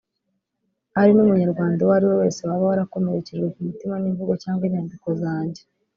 ari n’Umunyarwanda uwari we wese waba warakomerekejwe ku mutima n’imvugo cyangwa inyandiko zanjye